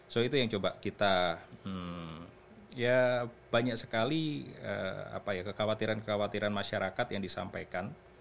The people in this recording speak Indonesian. so itu yang coba kita ya banyak sekali kekhawatiran kekhawatiran masyarakat yang disampaikan